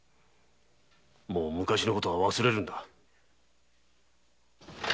もう昔の事は忘れるんだ。